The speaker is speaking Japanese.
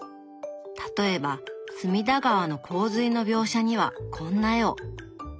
例えば隅田川の洪水の描写にはこんな絵を。